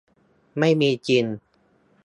ไม่มีจริง